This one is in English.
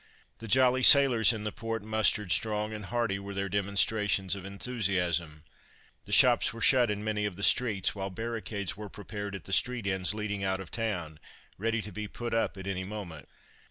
The jolly sailors in the port mustered strong, and hearty were their demonstrations of enthusiasm. The shops were shut in many of the streets, while barricades were prepared at the street ends leading out of town, ready to be put up at any moment.